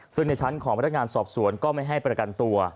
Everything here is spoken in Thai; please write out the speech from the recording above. ซึ่งในชั้นของพนักงานสอบสวนก็ไม่ให้ประกันตัว